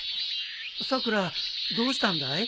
さくらどうしたんだい？